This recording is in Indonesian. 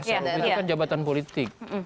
saya mengatakan jabatan politik